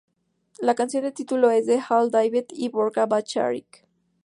La canción del título es de Hal David y Burt Bacharach.